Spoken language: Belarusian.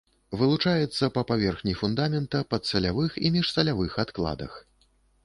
Вылучаецца па паверхні фундамента, падсалявых і міжсалявых адкладах.